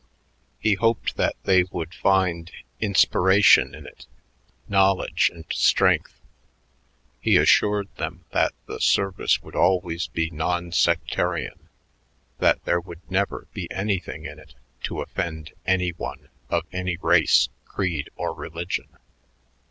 He hoped that they would find inspiration in it, knowledge and strength. He assured them that the service would always be nonsectarian, that there would never be anything in it to offend any one of any race, creed, or religion.